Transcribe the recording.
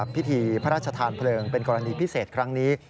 พิธีพระราชทานเพลิงเป็นกรณีพิเศษครั้งนี้